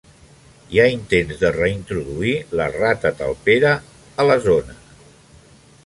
Hi ha intents de reintroduir la rata talpera la zona.